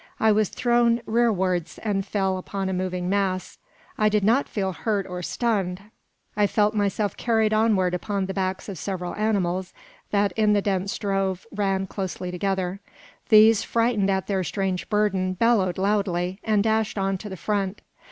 I was thrown rearwards, and fell upon a moving mass. I did not feel hurt or stunned. I felt myself carried onward upon the backs of several animals, that, in the dense drove, ran close together. These, frightened at their strange burden, bellowed loudly, and dashed on to the front.